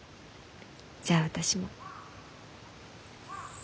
じゃあ私も。